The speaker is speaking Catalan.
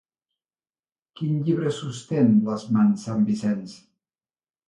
Quin llibre sosté en les mans sant Vicenç?